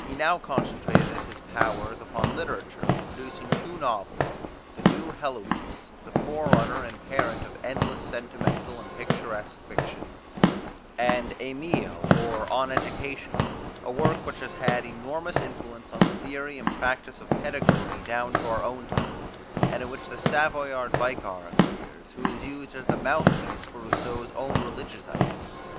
He now concentrated his powers upon literature, producing two novels, "La Nouvelle Heloise," the forerunner and parent of endless sentimental and picturesque fictions; and "Emile, ou l'Education," a work which has had enormous influence on the theory and practise of pedagogy down to our own time and in which the Savoyard Vicar appears, who is used as the mouthpiece for Rousseau's own religious ideas.